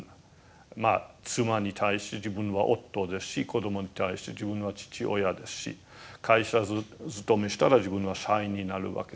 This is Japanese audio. まあ妻に対し自分は夫ですし子供に対して自分は父親ですし会社勤めしたら自分は社員になるわけです。